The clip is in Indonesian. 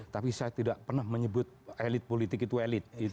tapi saya tidak pernah menyebut elit politik itu elit